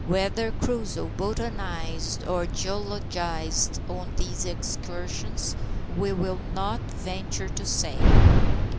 Whether Crusoe botanized or geologized on these excursions we will not venture to say.